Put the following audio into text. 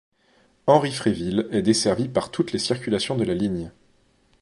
Henri Fréville est desservie par toutes les circulations de la ligne.